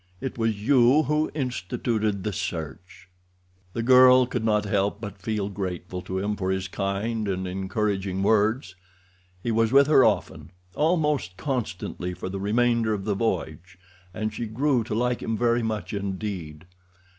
It was you who instituted the search." The girl could not help but feel grateful to him for his kind and encouraging words. He was with her often—almost constantly for the remainder of the voyage—and she grew to like him very much indeed.